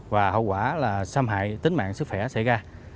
và hậu quả là xâm hại tính mạng sức khỏe xảy ra